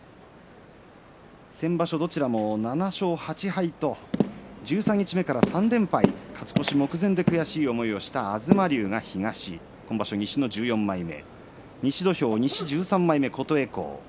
先場所、どちらも７勝８敗と十三日目から３連敗勝ち越し目前で悔しい思いをした東龍が東に今場所は西の１４枚目。